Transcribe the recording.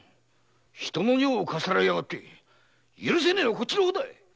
人の女房かっさらいやがって許せねえのはこっちの方だ‼